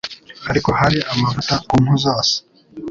ariko hari amavuta ku mpu zose,